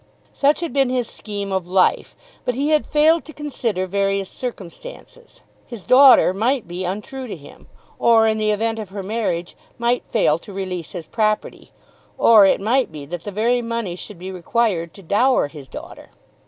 Such had been his scheme of life. But he had failed to consider various circumstances. His daughter might be untrue to him, or in the event of her marriage might fail to release his property, or it might be that the very money should be required to dower his daughter.